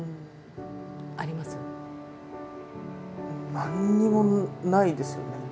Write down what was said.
何にもないんですよね。